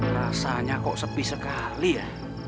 rasanya kok sepi sekali ya